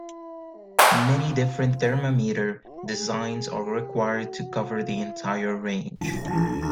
Many different thermometer designs are required to cover the entire range.